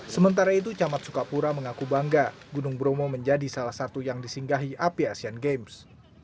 sementara itu camat sukapura mengaku bangga gunung bromo menjadi salah satu yang disinggahi api asian games